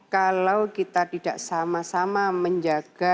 kalau kita tidak sama sama menjaga